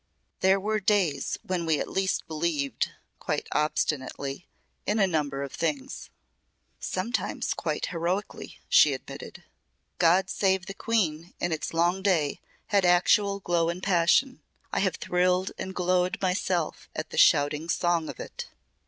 There were days when we at least believed quite obstinately in a number of things." "Sometimes quite heroically," she admitted. "'God Save the Queen' in its long day had actual glow and passion. I have thrilled and glowed myself at the shouting song of it."